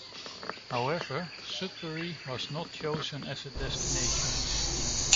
However, Sudbury was not chosen as a destination.